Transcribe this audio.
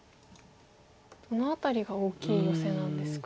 どの辺りが大きいヨセなんですか？